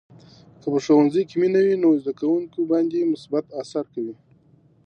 که په ښوونځي کې مینه وي، نو زده کوونکي باندې مثبت اثر کوي.